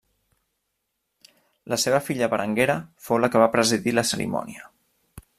La seva filla Berenguera fou la que va presidir la cerimònia.